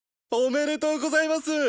おめでとうございます！